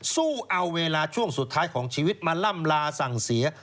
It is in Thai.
สู้เอาเวลาช่วงสุดท้ายของชีวิตมาล่ำลาสั่งเสีย